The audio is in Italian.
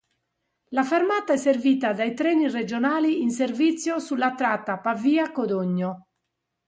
La fermata è servita dai treni regionali in servizio sulla tratta Pavia–Codogno.